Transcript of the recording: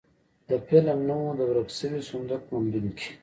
د فلم نوم و د ورک شوي صندوق موندونکي.